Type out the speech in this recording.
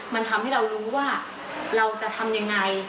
มันทำให้เรารู้ว่าเราจะทำยังไง